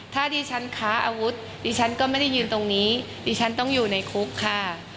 ถ้าดิฉันค้าอาวุธดิฉันก็ไม่ได้ยืนตรงนี้ดิฉันต้องอยู่ในคุกค่ะ